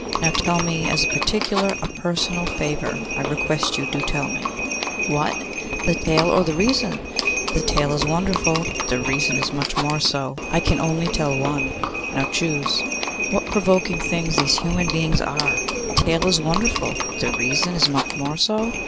Now tell me; as a particular, a personal favour, I request you, do tell me.' 'What! The tail or the reason? The tail is wonderful, but the reason is much more so. I can only tell one. Now choose.' 'What provoking things these human beings are! The tail is wonderful, but the reason is much more so.